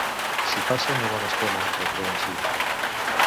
S'hi passa una bona estona, recreant-s'hi.